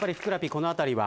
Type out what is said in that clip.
この辺りは。